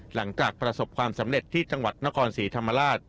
หลังจากประสบความสำเร็จที่จังหวัดนครศรีธรรมราช